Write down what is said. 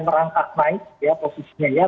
merangkak naik posisinya ya